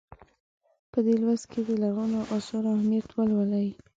په دې لوست کې د لرغونو اثارو اهمیت ولولئ.